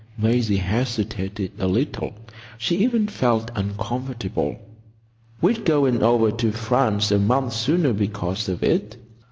Maisie hesitated a little. She even felt uncomfortable. "We're going over to France a month sooner because of it.